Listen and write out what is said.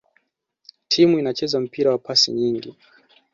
timu inacheza mpira wa pasi nyingi